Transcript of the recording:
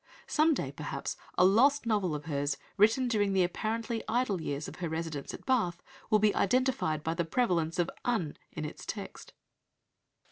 Some day, perhaps, a lost novel of hers, written during the apparently idle years of her residence at Bath, will be identified by the prevalence of "uns" in its text.